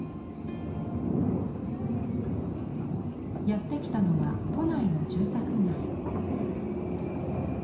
やって来たのは都内の住宅街。